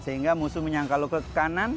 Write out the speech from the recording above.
sehingga musuh menyangka lo ke kanan